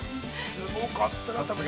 すごかった。